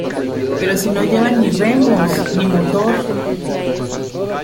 ¡ pero si no llevan ni remos, ni motor!